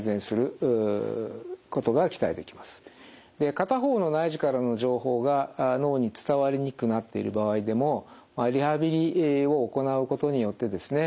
片方の内耳からの情報が脳に伝わりにくくなっている場合でもリハビリを行うことによってですね